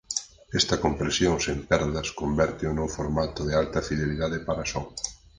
Esta compresión sen perdas convérteo nun formato de alta fidelidade para son.